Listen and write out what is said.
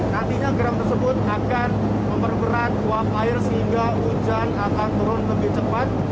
nantinya garam tersebut akan memperberat uap air sehingga hujan akan turun lebih cepat